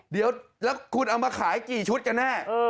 เดี๋ยวแล้วคุณเอามาขายกี่ชุดกันแน่